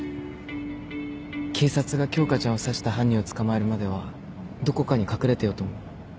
警察が京花ちゃんを刺した犯人を捕まえるまではどこかに隠れてようと思う。